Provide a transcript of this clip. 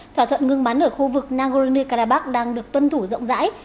thỏa thuận ngừng bắn ở khu vực nagorno karabakh đang được tuân thủ rộng rãi